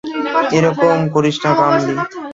এরকম করিস না, কামলি।